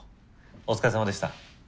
お疲れさまでした。